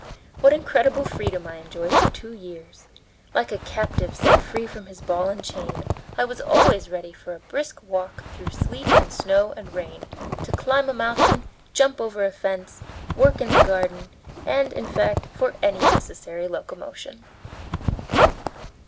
What incredible freedom I enjoyed for two years! Like a captive set free from his ball and chain, I was always ready for a brisk walk through sleet and snow and rain, to climb a mountain, jump over a fence, work in the garden, and, in fact, for any necessary locomotion.